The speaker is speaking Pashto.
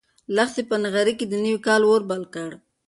لښتې په نغري کې د نوي کال اور بل کړ.